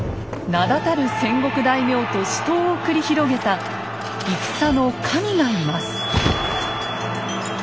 名だたる戦国大名と死闘を繰り広げた戦の神がいます。